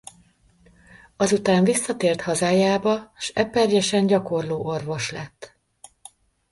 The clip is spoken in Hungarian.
Azután visszatért hazájába s Eperjesen gyakorló orvos lett.